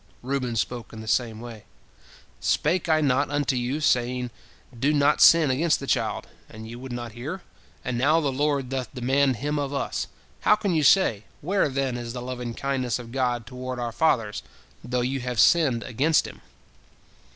Reuben spoke in the same way: "Spake I not unto you, saying, Do not sin against the child, and ye would not hear? And now the Lord doth demand him of us. How can you say, Where, then, is the lovingkindness of God toward our fathers, though you have sinned against Him?"